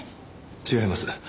違います。